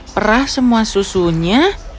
perah semua susunya